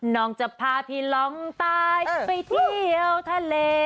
น้องจะพาพี่ลองตายไปเที่ยวทะเล